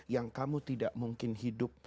yang kamu tidak mungkin hidup